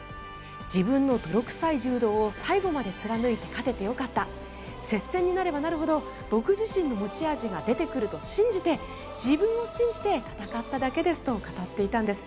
自分の泥臭い柔道を最後まで貫いて勝ててよかった接戦になればなるほど僕自身の持ち味が出てくると信じて自分を信じて戦っただけですと語っていたんです。